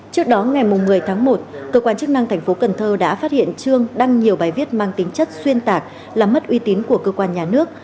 trước đó ngày một mươi tháng một cơ quan chức năng thành phố cần thơ đã phát hiện trương đăng nhiều bài viết mang tính chất xuyên tạc làm mất uy tín của cơ quan nhà nước